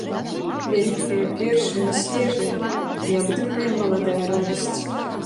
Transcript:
Вялікая, першая, свежая, неабдымная маладая радасць!